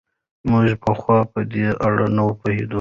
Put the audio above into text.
موږ پخوا په دې اړه نه پوهېدو.